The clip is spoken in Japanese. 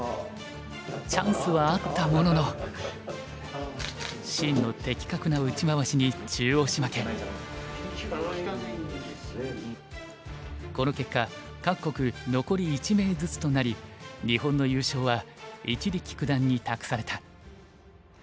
チャンスはあったもののシンの的確な打ち回しにこの結果各国残り１名ずつとなり日本の優勝は一力九段に託された。